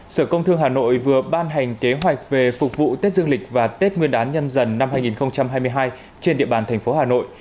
sở công thương hà nội vừa ban hành kế hoạch về phục vụ tết dương lịch và tết nguyên đán nhân năm hai nghìn hai mươi hai trên địa bàn thành phố hà nội